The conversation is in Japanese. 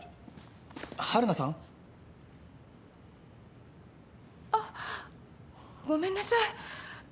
春菜さん？あっごめんなさい。